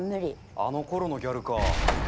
あのころのギャルか。